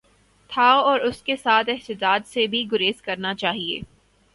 تھا اور اس کے ساتھ احتجاج سے بھی گریز کرنا چاہیے۔